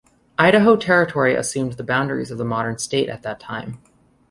Idaho Territory assumed the boundaries of the modern state at that time.